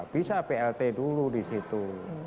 bisa plt dulu disitu